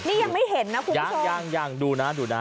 นี่ยังไม่เห็นนะคุณยังยังดูนะดูนะ